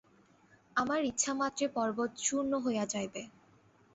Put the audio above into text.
আমার ইচ্ছামাত্রে পর্বত চূর্ণ হইয়া যাইবে।